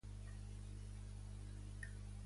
Disposa d'un estand a la fira d'alimentació Alimentària.